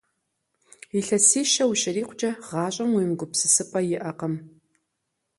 Илъэсищэ ущрикъукӀэ, гъащӀэм уемыгупсысыпӀэ иӀэкъым.